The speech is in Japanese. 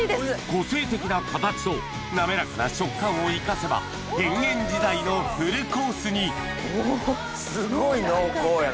個性的な形と滑らかな食感を生かせば変幻自在のフルコースにすごい濃厚やな。